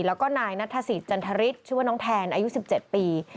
แล้วก็นายนัทธศิษย์จันทริสชื่อว่าน้องแทนอายุ๑๗ปี